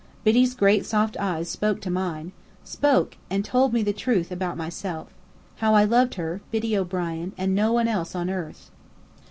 Biddy's great soft eyes spoke to mine, spoke, and told me all the truth about myself. How I loved her, Biddy O'Brien, and no one else on earth!